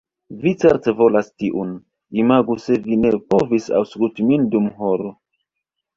Vi certe volas tiun. Imagu se vi ne povis aŭskulti min dum horo!